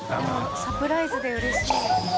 サプライズでうれしい。